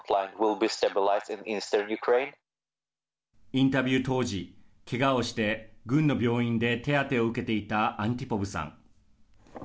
インタビュー当時けがをして、軍の病院で手当てを受けていたアンティポブさん。